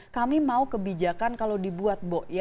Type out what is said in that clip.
kami mau kebijakan kalau dibuat bo